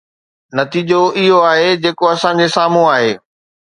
نتيجو اهو آهي جيڪو اسان جي سامهون آهي.